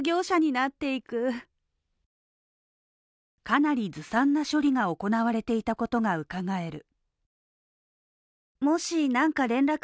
かなりずさんな処理が行われていたことがうかがえる。